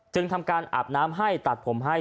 ทำการอาบน้ำให้ตัดผมให้